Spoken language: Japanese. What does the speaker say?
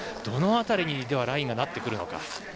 どの辺りにラインがなってくるのか。